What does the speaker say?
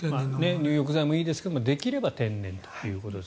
入浴剤もいいですができれば天然ということです。